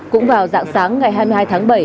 cũng vào dạng sáng ngày hai mươi hai tháng bảy